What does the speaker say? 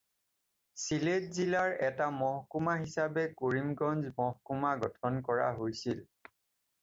ছিলেট জিলাৰ এটা মহকুমা হিচাপে কৰিমগঞ্জ মহকুমা গঠন কৰা হৈছিল।